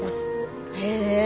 へえ。